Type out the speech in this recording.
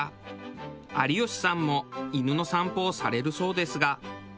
有吉さんも犬の散歩をされるそうですが。